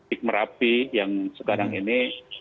ikhmerapi yang sekarang ini